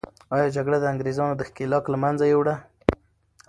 آیا جګړه د انګریزانو دښکیلاک له منځه یوړه؟